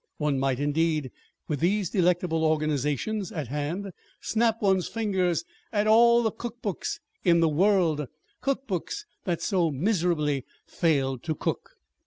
One might, indeed, with these delectable organizations at hand, snap one's fingers at all the cookbooks in the world cookbooks that so miserably failed to cook!